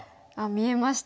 見えました？